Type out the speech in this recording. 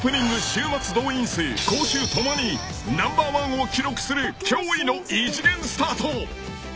週末動員数・興収共にナンバーワンを記録する脅威の異次元スタート］